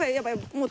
もう？